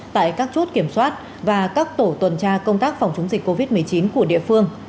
tại các chốt kiểm soát và các tổ tuần tra công tác phòng chống dịch covid một mươi chín của địa phương